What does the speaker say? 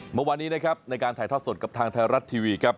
เมื่อวานนี้นะครับในการถ่ายทอดสดกับทางไทยรัฐทีวีครับ